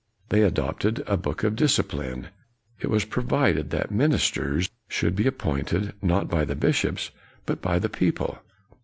They adopted a Book of Discipline. It was provided that ministers should be ap pointed, not by the bishops, but by the people.